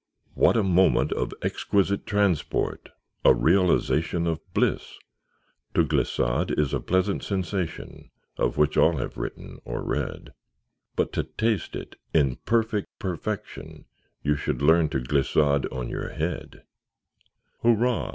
What a moment of exquisite transport! A realization of bliss! To glissade is a pleasant sensation, Of which all have written, or read; But to taste it, in perfect perfection, You should learn to glissade on your head. Hurrah!